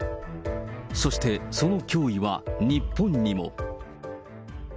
そして、その脅威は日本にも。